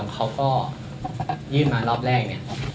เขาก็ยื่นมารอบแรกเนี่ย